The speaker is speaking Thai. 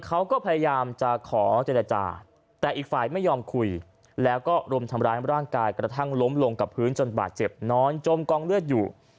เขาก็พยายามจะขอเจรจาแต่อีกฝ่ายไม่ยอมคุยแล้วก็รุมทำร้ายร่างกายกระทั่งล้มลงกับพื้นจนบาดเจ็บนอนจมกองเลือดอยู่